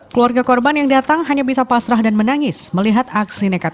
keluarga korban yang datang hanya bisa pasrah dan menangis melihat aksi nekat